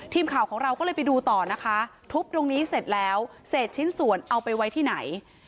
ทีมข่าวของเราก็เลยไปดูต่อนะคะทุบตรงนี้เสร็จแล้วเศษชิ้นส่วนเอาไปไว้ที่ไหน